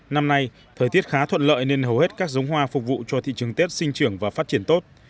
năm nay thời tiết khá thuận lợi nên hầu hết các giống hoa phục vụ cho thị trường tết sinh trưởng và phát triển tốt